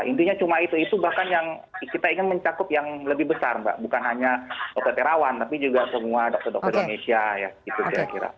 intinya cuma itu itu bahkan yang kita ingin mencakup yang lebih besar mbak bukan hanya dokter terawan tapi juga semua dokter dokter indonesia ya gitu kira kira